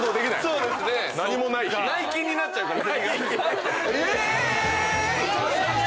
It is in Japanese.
内勤になっちゃうから。